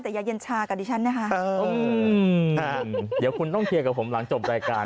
แต่อย่าเย็นชากับดิฉันนะคะเดี๋ยวคุณต้องเคลียร์กับผมหลังจบรายการ